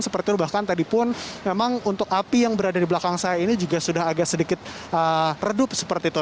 seperti itu bahkan tadi pun memang untuk api yang berada di belakang saya ini juga sudah agak sedikit redup seperti itu